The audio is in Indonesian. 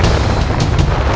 aduh kayak gitu